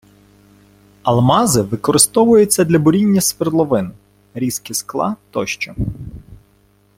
Алмази використовуються для буріння свердловин, різки скла тощо